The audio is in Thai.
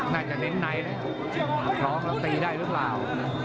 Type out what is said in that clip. น่าจะเน้นไหนนะพร้อมแล้วตีได้หรือเปล่า